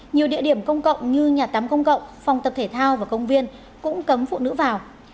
nhiều địa điểm công cộng như nhà tắm công cộng phòng tập thể thao và công viên cũng cấm phụ nữ vào